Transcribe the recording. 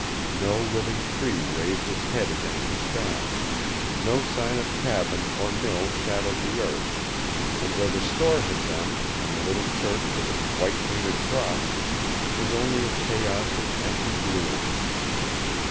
No living tree raised its head against the sky, no sign of cabin or mill shadowed the earth, and where the store had been, and the little church with its white painted cross, was only a chaos of empty gloom.